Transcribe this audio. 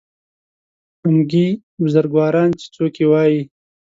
همګي بزرګواران چې څوک یې وایي